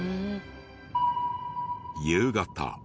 夕方。